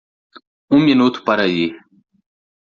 Um minuto para ir!